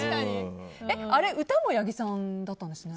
あれ、歌も八木さんだったんですね？